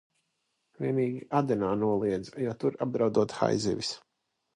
Vienīgi Adenā noliedza, jo tur apdraudot haizivis.